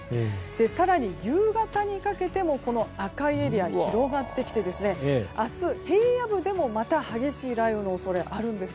更に夕方にかけてもこの赤いエリアが広がってきて明日、平野部でもまた激しい雷雨の恐れがあるんです。